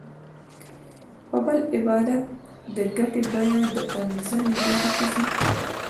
په بل عبارت د ګټې بیه د تنزل لوري ته ځي